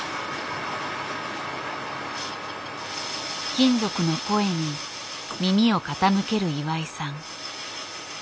金属の声に耳を傾ける岩井さん。